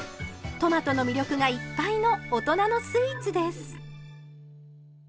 トマトの魅力がいっぱいの大人のスイーツです。